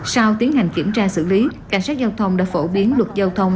sau tiến hành kiểm tra xử lý cảnh sát giao thông đã phổ biến luật giao thông